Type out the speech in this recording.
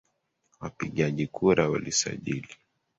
Wapigaji kura walijisajili